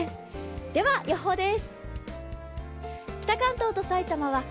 では予報です。